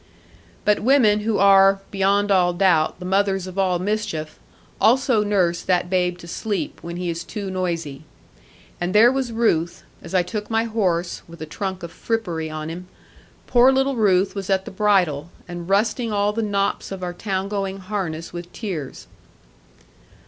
But women who are (beyond all doubt) the mothers of all mischief, also nurse that babe to sleep, when he is too noisy. And there was Ruth, as I took my horse (with a trunk of frippery on him), poor little Ruth was at the bridle, and rusting all the knops of our town going harness with tears.